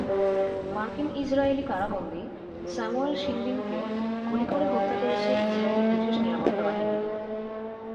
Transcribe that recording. মার্কিন-ইসরায়েলি কারাবন্দী স্যামুয়েল শিনবিনকে গুলি করে হত্যা করেছে ইসরায়েলি বিশেষ নিরাপত্তা বাহিনী।